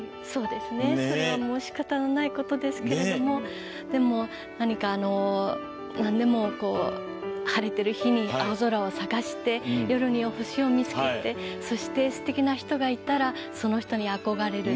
それはしかたのないことですけど何かなんでも晴れている日に青空を探して夜には星を見つけてそして、すてきな人がいたらその人に憧れる。